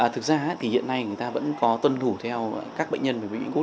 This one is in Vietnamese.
thực ra thì hiện nay người ta vẫn có tuân thủ theo các bệnh nhân bị gút